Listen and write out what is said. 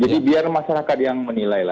jadi biar masyarakat yang menilai